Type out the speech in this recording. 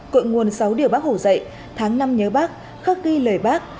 cội nguồn sáu điểm bác hổ dạy tháng năm nhớ bác khắc ghi lời bác